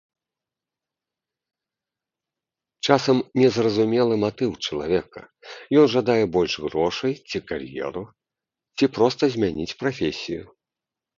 Часам незразумелы матыў чалавека, ён жадае больш грошай, ці кар'еру, ці проста змяніць прафесію.